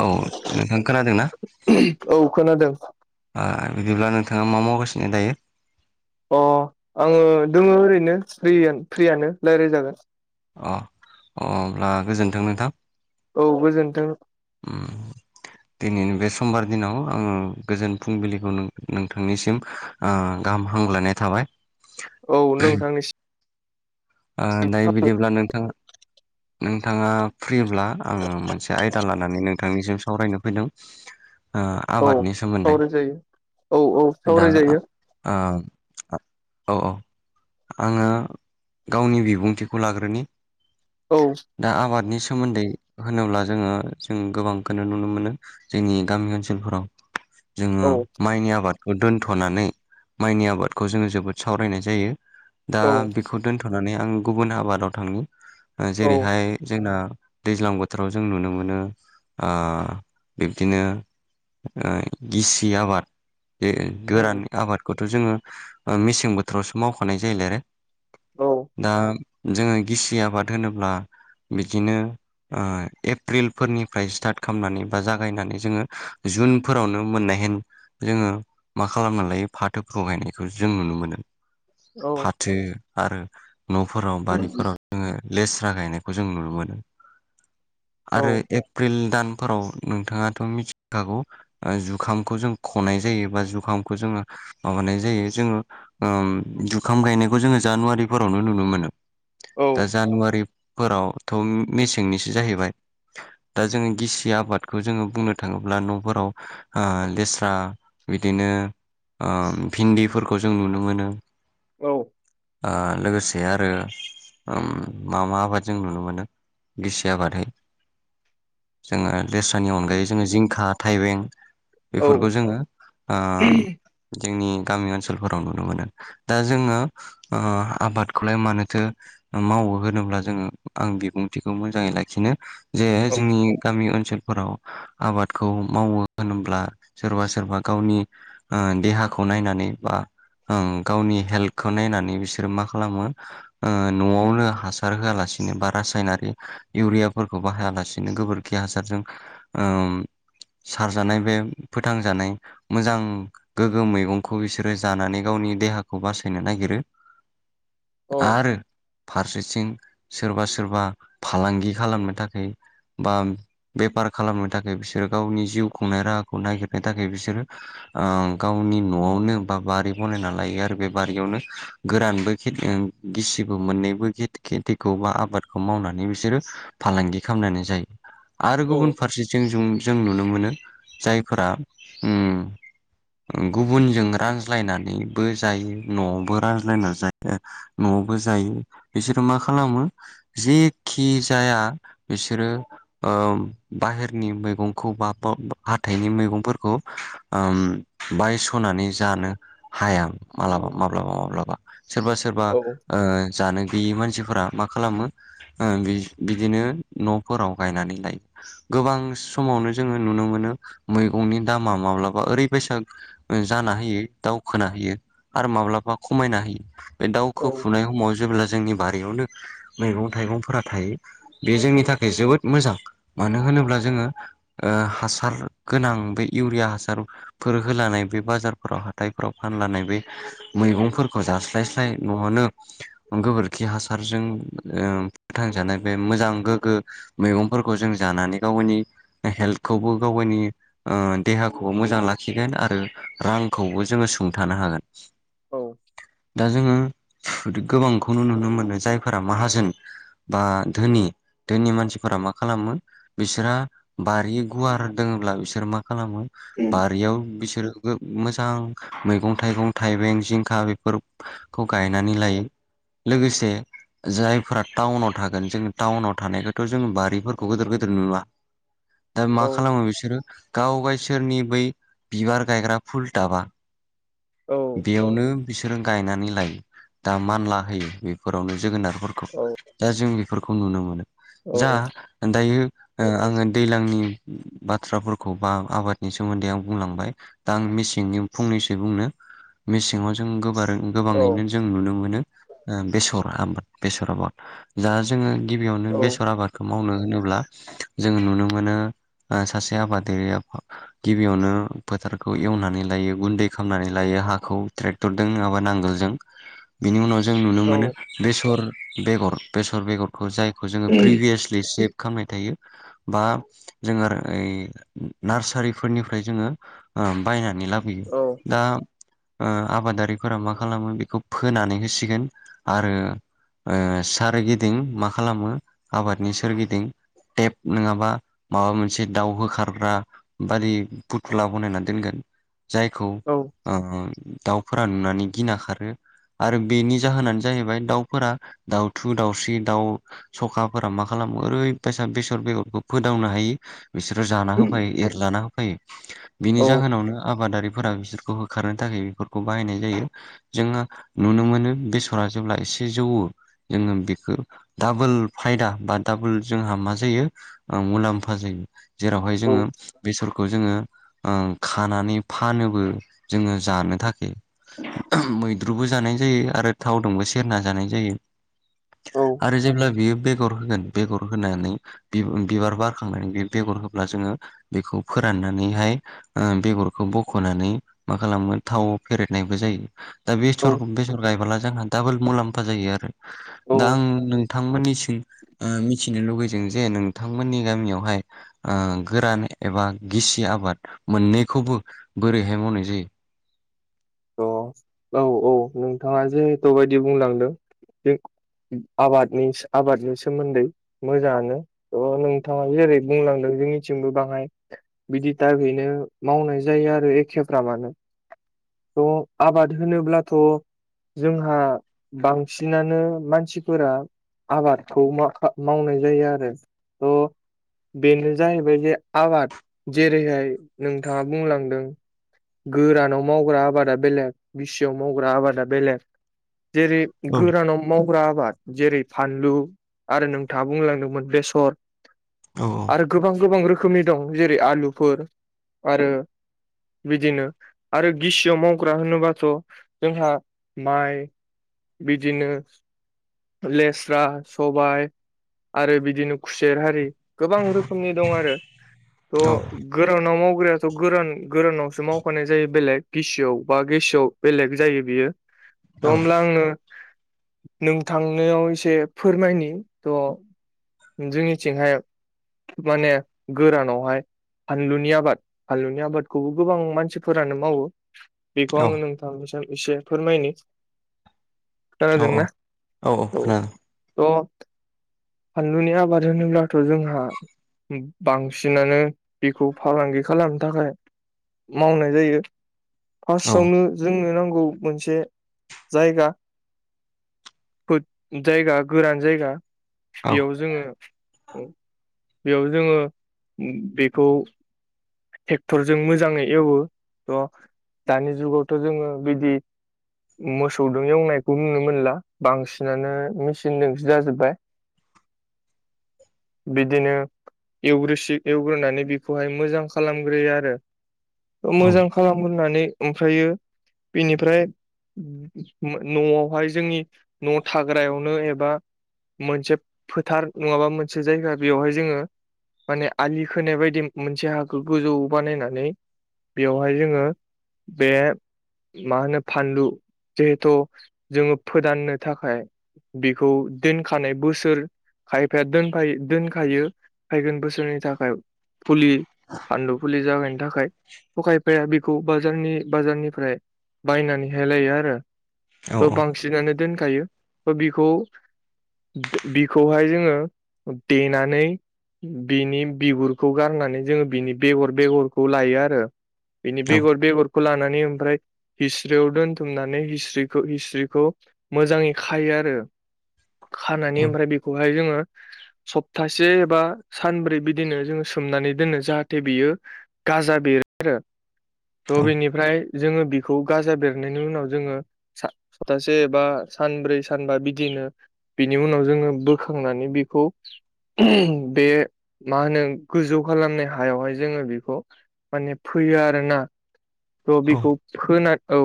औ नोंथां खोनादों ना? औ खोनादों ओ बिदिब्ला नोंथाङा मा मावगासिनो दायो? अ आङो दोङो ओरैनो फ्रियान फ्रियानो रायलायजागोन। अ अ अब्ला गोजोनथोंनो नोंथां। औ गोजोनथों। उम दिनैनि बे समबार दिनाव आङो गोजोन फुंबिलिखौ नोंथांनिसिम ओ गाहाम हामग्लायनाय थाबाय। औ नोंथांनिसि ओ दायो बिदिब्ला नोंथाङा नोंथाङा फ्रिब्ला आङो मोनसे आयदा लानानै नोंथांनिसिम सावरायनो फैदों। ओ औ आबादनि सोमोन्दै सावरायजायो औ औ दा सावरायजायो ओ अ अ आङो गावनि बिबुंथिखौ लाग्रोनि। औ दा आबादनि सोमोन्दै होनोब्ला जोङो जों गोबांखो नुनो मोनो। जोंनि गामि ओनसोलफोराव जोङो औ माइनि आबादखौ दोनथ'नानै माइनि आबादखौ जोङो जोबोद सावरायनाय जायो। दा औ बेखौ दोनथ'नानै आं गुबुन आबादाव थांनि ओ औ जेरैहाय जोंना दैज्लां बोथोराव जों नुनो मोनो ओ बिब्दिनो ओ गिसि आबाद बे उम गोरान आबादखौथ' जोङो ओ मेसें बोथोरावसो मावखानाय जायोलाय आरो औ दा जोङो गिसि आबाद होनोब्ला बिदिनो ओ एप्रिलफोरनिफ्राय स्टार्ट खामनानै बा जागायनानै जोङो जुनफोरावनो मोननाय हेन जोङो मा खालामना लायो फाथोफोरखौ गायनायखौ जों नुनो मोनो। औ थो आरो न'फोराव बारिफोराव जोङो लेस्रा गायनायखौ जों नुनो मोनो। औ आरो एप्रिल दानफोराव नोंथाङाथ' मिथिखागौ। ओ जुखामखौ जों खनाय जायो बा जुखामखौ जोङो माबानाय जायो जोङो ओ जुखाम गायनायखौ जोङो जानुवारि फोरावनो नुनो मोनो औ दा जानुवारिफोरावथ' मेसेंनिसो जाहैबाय दा जोङो गिसि आबादखौ जोङो बुंनो थाङोब्ला न'फोराव ओ लेस्रा बिदिनो ओ भिन्दिफोरखौ जों नुनो मोनो। औ ओ लोगोसे आरो उम मा मा आबाद जों नुनो मोनो गिसि आबादहै जोङो लेस्रानि अनगायै जोङो जिंखा थाइबें औ बेफोरखौ जोङो ओ जोंनि गामि ओनसोलफोराव नुनो मोनो दा जोङो ओ आबादखौलाय मानोथो मावो होनोब्ला जोङो आं बिबुंथिखौ मोजाङै लाखिनो जे औ जोंनि गामि ओनसोलफोराव आबादखौ मावो होनब्ला सोरबा सोरबा गावनि देहाखौ नायनानै बा ओं गावनि हेल्थखौ नायनानै बिसोरो मा खालामो न'आवनो हासार होआ लासिनो बा रासायनारि इउरियाफोरखौ बाहआ लासिनो बिदिनो गोबोरखि हासारजों सारजानाय बे फोथांजानाय मोजां गोग्गो मैगंखौ बिसोरो जानानै गावनि देहाखौ बासायनो नागिरो। औ औ [inaudible] आरो फारसेथिं सोरबा सोरबा फालांगि खालामनो थाखाय बा बेफार खालामनो थाखाय बिसोरो गावनि जिउ खुंनाय राहाखौ नागिरनो थाखाय बिसोरो ओ गावनि न'आवनो बा बारि बनायना लायो आरो बे बारियावनो गोरानबो खेथि गिसिबो मोननैबोे खेथिखौ बा आबादखौ मावनानै बिसोरो फालांगि खालामनानै जायो। औ आरो गुबुन फारसेथिं ज जों नुनो मोनो जायफोरा उम गुबुनजों रानज्लायनानैबो जायो न'आवबो रानज्लायनानै जायो। न'आवबो जायो बिसोरो मा खालामो? जेखि जाया बिसोरो बाहेरनि मैगंखौ बा हाथाइनि मैगंफोरखौ ओ बायस'नानै जानो हायां माब्लाबा माब्लाबा माब्लाबा सोरबा सोर सोरबा औ ओ जानो गैयि मानसिफोरा मा खालामो बिदिनो न'फोराव बायनानै लाय गोबां समावनो जोङो नुनो मोनो मैगंनि दामा माब्लाबा ओरैबायसा जाना होयो दावखोना होयो आरो माब्लाबा खमायना होयो। बे औ दाउखोफुनाय समाव जेब्ला जोंनि बारि बेयावनो मैगं थाइगंफोरा थायो बे जोंनि थाखाय जोबोद मोजां मानो होनोब्ला जोङो हासार गोनां बे इउरिया हासार फोर होलानाय बे बाजारफोराव हाथायफोराव फानलानाय बे मैगंफोरखौ जास्लायस्लाय नवावनो गोबोरखि हासारजों फोथांजानाय बे मोजां गोग्गो मैगंफोरखौ जों जानानै गावनि हेल्थखौबो गाव गावनि ओ देहाखौबो मोजां लाखिगोन आरो रांखौबो जोङो सुंथानो हागोन। दा जोङो गोबांखौनो नुनो मोनो जायफोरा माहाजोन बा धोनि धोनि मानसि फोरा मा खालामो बिसोरहा बारि गुवार दङब्ला बिसोर मा खालामो बारियाव बिसोरो मोजां मैगं थाइगं थाइबें जिंखा बेफोरखौ गायनानै लायो। लोगोसे जायफोरा टाउनाव थागोन जों टाउनाव थानायखौथ बारिफोरखौ गदोर गदोर नुवा दा मा खालामो बिसोरो गावगायसोर फोरनि बै बिबार गायग्रा फुल टाबा बेयावनो बिसोरो गायनानै लायो दा मानला होयो बेफोरावनो जोगोनारफोरखौ औ दा जों बेफोरखौ नुनो मोनो जा दायो आङो दैज्लांनि बाथ्राफोरखौ बा आबादनि सोमोन्दै आं बुंलांबाय दा आं मेसेंनि फंनैसो बुंनो। मेसेङाव जों गोबारै गोबाङैनो जों नुनो मोनो बेसर आबाद बेसर आबाद दा जोङो गिबियावनो बे मावनो होनोब्ला जों नुनो मोनो सासे ओ आबादारिया गिबियावनो फोथारखौ एवनानै लायो गुन्दै खालामनानै लायो हाखौ ट्रेक्टरजों नङाबा नांगोलजों बिनि उनाव जों नुनो मोनो बेसर बेगर बेसर बेगरखौ जायखौ जों प्रिभियासलि सेभ खालामनाय थायो बा जो आरो ओ नार्सारिफोरनिफ्राय जोङो बायनानै लाबोयो। दा ओ आबादारिफोरा मा खालामो बेखौ फोनानै होसिगोन आरो सारगिदिं मा खालामो आबादनि सोरगिदिं टेप नङाबा माबा मोनसे दाउ होखारग्रा बादि फुटला बनायनानै दोनगोन जायखौ औ ओ दाउफोरा नुनानै गिना खारो आरो बेनि जाहोनानो जाहैबाय दाउफोरा दाउथु दाउस्रि दाउ सखा फोरा मा खालामो ओरैबायसा बेसर बेगरखौ फोदावनो हायो बिसोरो जाना होफायो एरलाना होफायो बिनि जाहोनावनो आबादारि फोरा बिसोरखौ होखारनो थाखाय बेफोरखौ बाहायनाय जायो जोङो नुनो मोनो बेसरा जेब्ला एसे जौवो जोङो बेखौ डाबोल फायदा बा डाबोल जोंहा मा जायो मुलाम्फा जायो जेरावहाय जोङो बेसरखौ जोङो ओ खानानै फानोबो जोङो जानो थाखाय मैद्रुबो जानाय जायो आरो थावजोंबो सेरना जानाय जायो औ आरो जेब्ला बियो बेगर होगोन बेगर होनानै बि उम बिबार बारखांनानै बे बेगर होब्ला जोङो बेखौ फोराननानैहाय ओ बेगरखौ बख'नानै मा खालामगोन थाव फेरेदनायबो जायो दा औ बेसरखौ बेसर गायबोला जोंहा दाबोल मुलाम्फा जायो आरो दा औ आं नोंथांमोननिसिम ओ मिथिनो लुुबैदों जे नोंथांमोननि गामियावहाय आ गोरान एबा गिसि आबाद मोननैखौबो बोरैहाय मावनाय जायो अ औ औ नोंथाङा जिहेथु बायदि बुंलांदों बे आबादनि आबादनि सोमोन्दै मोजाङानो थ' नोंथाङा जेरै बुंलांदों जोंनिथिंबो बाङाय बिदि दायिपनिनो मावनाय जायो आरो एखेफ्रामानो थ' आबाद होनोब्लाथ' जोंहा बांसिनानो मानसिफोरा आबादखौ मा आ मावनाय जायो आरो थ' [inaudible] बेनो जाहैबाय जे आबाद जेरैहाय नोंथाङा बुंलांदों गोरानाव मावग्रा आबाद दा बेलेग गिसियाव मावग्रा आबादा बेलेग जेरै औ गोरानाव मावग्रा आबाद जेरै फानलु आरो नोंथाङा बुंलांदोंमोन बेसर औ औ आरो गोबां गोबां रोखोमनि दं जेरै आलुफोर आरो बिदिनो आरो गिसियाव माव ग्रा होनोबाथ' जोंहा माइ बिदिनो लेस्रा सबाइ आरो बिदिनो खुसेर हारि गोबां रोखोमनि दं आरो औ थ' गोरानाव मावग्रायाथ' गोरान गोरानावसो मावखानाय जायो बेलेग गिसियाव बा गिसियाव बेलेग जायो बियो थ' औ होमब्ला आङो नोंथांनियाव एसे फोरमायनि थ' जोंनिथिंहाय माने गोरानावहाय फानलुनि आबाद फानलुनि आबादखौबो गोबां मानसिफोरानो मावो बेखौ आङो नोंथांनिसिम एसे फोरमायनि औ खोदोंना औ थ' फानलुनि आबाद होनोब्लाथ' जोंहा बांसिनानो बेखौ फालांगि खालामनो थाखाय मावनाय जायो। औ फार्स्टआवनो जोंनो नांगौ मोनसे जायगा। जायगा गोरान जायगा। बेयाव जोङो उ बेयाव जोङो बेखौ टेक्टरजों मोजाङै एवो थ दानि जुगावथ' जोङो बिदि मोसौदों एवनायखौ नुनो मोनला बांसिनानो मेचिनजोंसो जाजोबबाय। [inaudible] बिदिनो एवग्रोसि एवग्रोनानै बेखौहाय मोजां। खालामग्रोयो आरो औ मोजां खालामग्रोनानै ओमफ्रायो बिनिफ्राय मो न'आवहाय जोंनि न' थाग्रायावनो एबा मोनसे फोथार नङाबा मोनसे जायगा बेयावहाय जोङो माने आलि खोनाय बायदि मोनसे हा खौ गोजौ बानायनानै बेवहाय जोङो बे मा होनो फानलु जिहेथु जोङो फोदाननो थाखाय बेखौ दोनखानाय बोसोर खायफाया दोनफाय दोनखायो फैगोन बोसोरनि थाखाय फुलि फानलु फुलि जागायनो थाखाय थ खायफाया बेखौ बाजारनि बाजारनिफ्राय बायनानै हेलायो आरो औ थ बांसिनानो दोनखायो बेखौ बिखौहाय जोंङो देनानै बिनि बिगुरखौ गारनानै जोंङो बिनि बेगर बेगरखौ लायो आरो बिनि औ बेगर बेगरखौ लानानै ओमफ्राय हिस्ट्रियाव दोनथुमनानै हिस्ट्रिखौ हिस्थ्रिखौ मोजांङै खायो आरो। खानानै ओमफ्राय बेखौहाय जोंङो सप्तासे एबा सानब्रै बिदिनो जोंङो सोमनानै दोनो जाहाथे जाथे बियो गाजा बेरो आरो औ थ' बिनिफ्राय जोंङो बेखौ गाजा बेरनायनि उनाव जोंङो सप्तासे बा सानब्रै सानबा बिदिनो बिनि उनाव जोंङो बोखांनानै बेखौ बे मा होनो गोजौ खालामनाय होनो हायावहाय जोंङो बेखौ माने फैयो आरोना थ' औ बेखौ फोना औ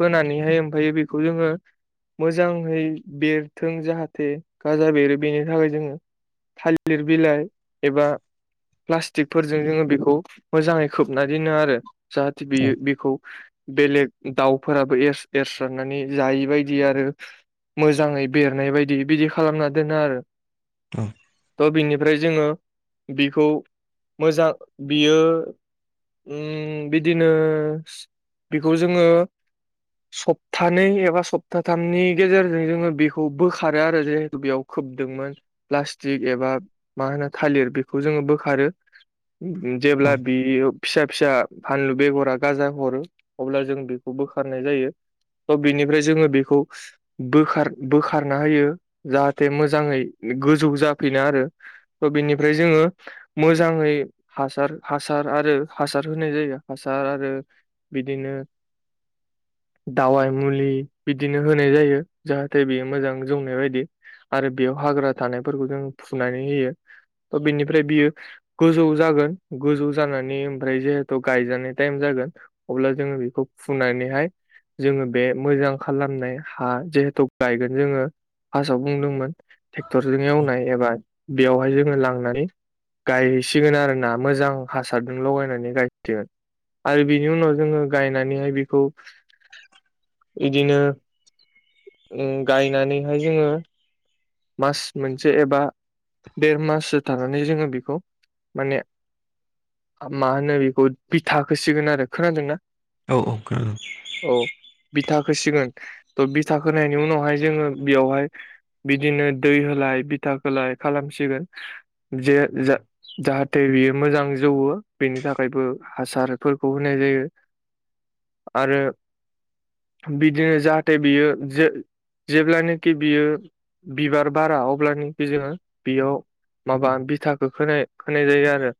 फोनानैहाय ओमफ्राय बेखौ जोङो मोजांङै बेरथों जाहाथे गाजा बेरो बेनि थाखाय जोंङो थालिर बिलाइ एबा प्लास्टिकफोरजों जोंङो बेखौ मोजांङै खोबना दोननो आरो जाहाथे बियो बेखौ बेलेग दाउफोराबो एरस्रनानै जायै बायदि आरो मोजांङै बेरनाय बायदि बिदि खालामना दोनो आरो। [unintelligible] थ' बिनिफ्राय जोंङो बिखौ मोजां बियो बिदिनो बेखौ जोंङो सप्तानै एबा सप्ताथामनि गेजेरजों जोंङो बेखौ बोखारो आरो जिहेतु बेयाव खोबदोंमोन प्लास्टिक एबा मा होनो थालिर बेखौ जोंङो बोखारो जेबोब्ला औ बियो फिसा फिसा फानलु बेगरा गाजा हरो अब्ला जों बेखौ बोखारनाय जायो। थ' बेनिफ्राय जोंङो बेखौ बोखार बोखारना होयो जाहाथे मोजांङै गोजौ जाफैनो आरो त बिनिफ्राय जोंङो मोजाङै हासार हासार आरो हासार होनाय जायो हासार आरो। बिदिनो दावाय मुलि बिदिनो होनाय जायो जाहाथे बेयो मोजां जौनाय बायदि। आरो बेयाव हाग्रा थानायफोरखौ जों फुनानै होयो त' बेनिफ्राय बियो गोजौ जागोन गोजौ जानानै ओमफ्राय जिहेथु गायजानाय टाइम जागोन। अब्ला जोंङो बेखौ फुनानैहाय जोङो बे मोजां खालामनाय हा जिहेथु गायगोन जोङो फासाव बुंदोंमोन टेक्टरजों एवनाय एबा बेयावहाय जोङो लांनानै गायसिगोन आरोना मोजां हासारजों लगायनानै गायथिगोन। आरो बिनि उनाव जोंङो गायनानैहाय बिखौ इदिनो ओं गायनानैहाय जोङो मास मोनसे एबा देर माससो थानानै जोङो बेखौ माने मा होनो बिखौ बिथा होसिगोन आरो। खोनादोंना? औ औ खोनादों। औ बिथाखोसिगोन। थ' बिथा खोनायनि उनावहाय जोंङो बेयावहाय बिदिनो दै होलाय बिथा खोलाय खालामसिगोन जे जा जाहाथे बियो मोजां जौवो बेनि थाखायबो हासारफोरखौ होनाय जायो। आरो बिदिनो जाहाथे बियो जे जेब्लानिखि बियो बिबार बारा अब्लानिखै जोङो बियाव माबा बिथाखो खोनाय खोनाय जायो आरो।